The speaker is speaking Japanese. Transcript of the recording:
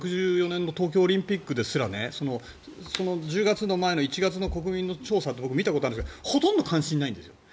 １９６４年の東京オリンピックですら１０月の前の１月の国民の調査って僕は見たことがあるんですがほとんど関心ないんですよ。